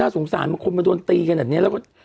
สงสารมันคงมาโดนตีขนาดนี้แล้ว